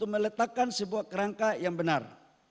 meletakkan sebuah kerangka yang benar